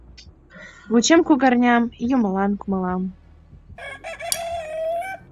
Вучем кугарнян – Юмылан кумалам.